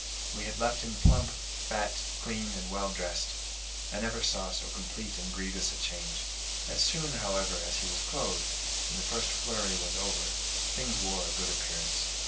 We had left him plump, fat, clean, and well dressed; I never saw so complete and grievous a change. As soon, however, as he was clothed, and the first flurry was over, things wore a good appearance.